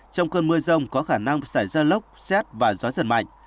trong cơn mưa rông có khả năng xảy ra lốc xét và gió giật mạnh